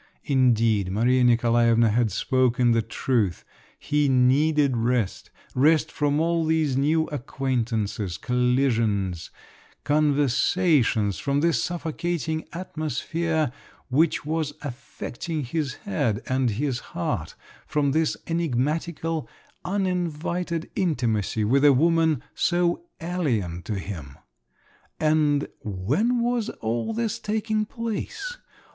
Indeed, Maria Nikolaevna had spoken the truth, he needed rest, rest from all these new acquaintances, collisions, conversations, from this suffocating atmosphere which was affecting his head and his heart, from this enigmatical, uninvited intimacy with a woman, so alien to him! And when was all this taking place?